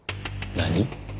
何？